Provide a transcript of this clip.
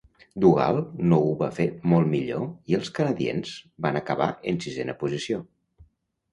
Dugal no ho va fer molt millor i els Canadiens van acabar en sisena posició.